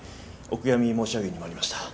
お悔やみ申し上げに参りました。